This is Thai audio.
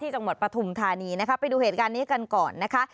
จังหวัดปฐุมธานีนะคะไปดูเหตุการณ์นี้กันก่อนนะคะ